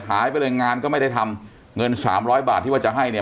หายไปเลยงานก็ไม่ได้ทำเงินสามร้อยบาทที่ว่าจะให้เนี่ย